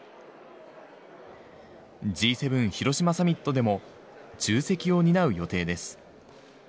Ｇ７広島サミットでも、重責を担う予定です。